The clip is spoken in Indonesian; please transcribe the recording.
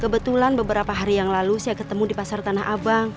kebetulan beberapa hari yang lalu saya ketemu di pasar tanah abang